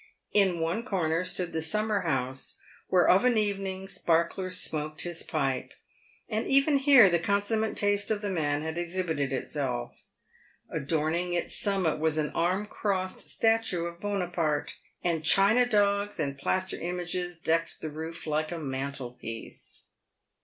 In one corner stood the summer house, where of an evening Sparkler smoked his pipe ; and even here the consum mate taste of the man had exhibited itself. Adorning its summit was an arm crossed statuette of Bonaparte, and china dogs and plaster images decked the roof like a mantelpiece.